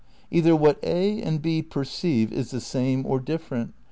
"Either what A and B perceive is the same or different.